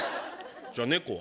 じゃあ猫は？